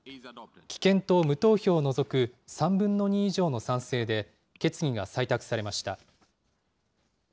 棄権と無投票を除く３分の２以上の賛成で、決議が採択されました。